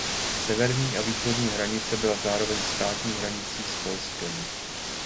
Severní a východní hranice byla zároveň státní hranicí s Polskem.